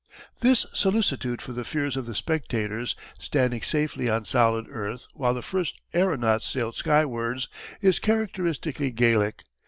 This solicitude for the fears of the spectators, standing safely on solid earth while the first aeronauts sailed skywards, is characteristically Gallic.